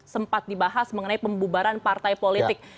sempat dibahas mengenai pembubaran partai politik